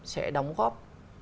sẽ đóng góp